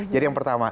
jadi yang pertama